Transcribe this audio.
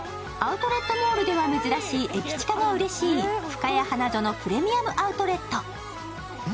アウトレットモールでは珍しい駅近がうれしいふかや花園プレミアム・アウトレット。